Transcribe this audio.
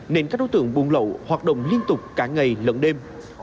nên các đối tượng buôn lậu hoạt động liên tục cả ngày lẫn đêm